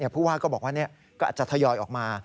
ผู้ว่าก็บอกว่าก็อาจจะทยอยออกมา